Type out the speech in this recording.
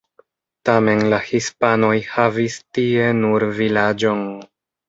Tamen la hispanoj havis tie nur vilaĝon.